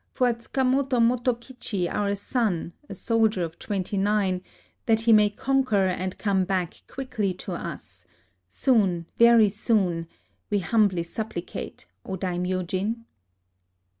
. For Tsukamoto Motokiclii our son, a soldier of twenty nine : that lie may conquer and come back quickly to us, — soon, very soon, — we kumbly supplicate, O Daimyojin